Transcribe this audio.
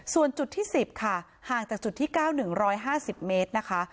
ส่วนจุดที่๑๐ค่ะห่างจากจุดที่๙๑๕๐เมตรนะคะ